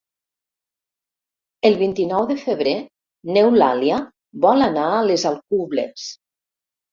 El vint-i-nou de febrer n'Eulàlia vol anar a les Alcubles.